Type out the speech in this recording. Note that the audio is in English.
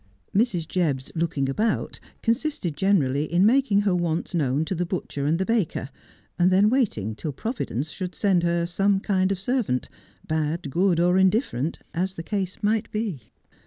Mrs. Jebb's looking about consisted generally in making her wants known to the butcher and the baker, and then waiting till Providence should send her some kind of servant, bad, good, or indifferent, as the case might be.